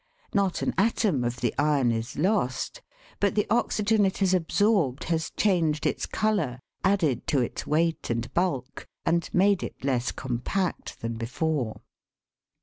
Not an atom of the iron is lost, but the oxygen it has absorbed has changed its colour, added to its weight and bulk, and made it less compact than before.